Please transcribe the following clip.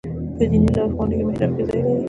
په دیني لارښوونو کې محراقي ځای لري.